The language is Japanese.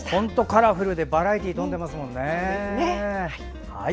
カラフルでバラエティーに富んでいますね。